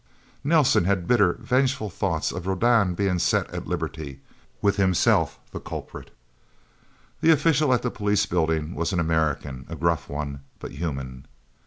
Nelsen had bitter, vengeful thoughts of Rodan being set at liberty with himself the culprit. The official at the police building was an American a gruff one, but human.